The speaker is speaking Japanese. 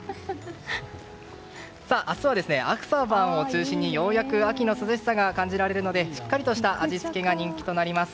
明日は朝晩を中心にようやく秋の空気が感じられるので、しっかりとした味付けが必要になります。